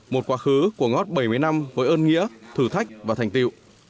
một quá khứ của ngót bảy mươi năm với ơn nghĩa thử thách và thành tiệu